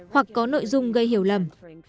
hoặc có nội dung gây hiểu lầm